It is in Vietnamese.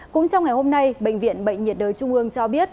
cũng trong ngày hôm nay bệnh viện bệnh nhiệt đới trung ương cho biết